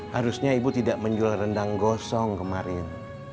harusnya ibu tidak menjual rendang gosong kemarin